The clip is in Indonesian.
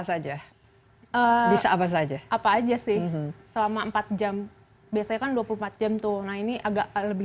saja bisa apa saja apa aja sih selama empat jam biasanya kan dua puluh empat jam tuh nah ini agak lebih